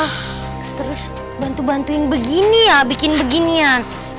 terus bantu bantuin begini ya bikin beginian